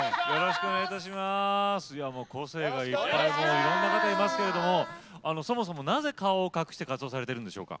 いろんな方いますけれどもそもそもなぜ顔を隠して活動されてるんでしょうか？